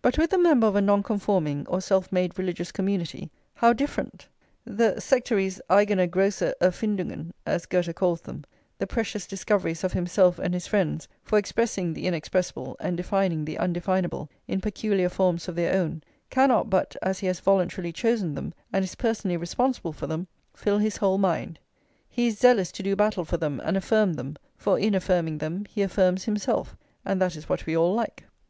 But with the member of a Nonconforming or self made religious community how different! The sectary's eigene grosse Erfindungen, as Goethe calls them, the precious discoveries of himself and his friends for expressing the inexpressible and defining the undefinable in peculiar forms of their own, cannot but, as he has voluntarily chosen them, and is personally responsible for them, fill his whole mind. He is zealous to do battle for them and affirm them, for in affirming them he affirms himself, and that is what we all like.